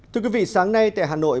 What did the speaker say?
thưa quý vị sáng nay tại hà nội